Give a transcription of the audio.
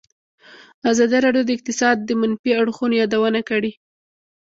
ازادي راډیو د اقتصاد د منفي اړخونو یادونه کړې.